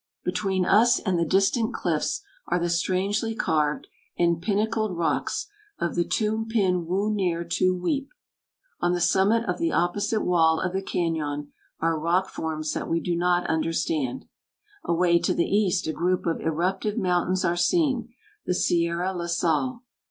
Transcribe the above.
Between us and the distant cliffs are the strangely carved and pinnacled rocks of the Toom pin wu near Tu weap. On the summit of the opposite wall of the cañon are rock forms that we do not understand. Away to the east a group of eruptive mountains are seen the Sierra La Sal.